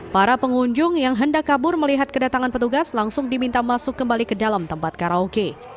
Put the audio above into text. para pengunjung yang hendak kabur melihat kedatangan petugas langsung diminta masuk kembali ke dalam tempat karaoke